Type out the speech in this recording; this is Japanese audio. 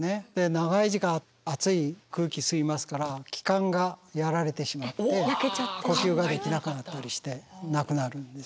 長い時間熱い空気吸いますから気管がやられてしまって呼吸ができなかったりして亡くなるんです。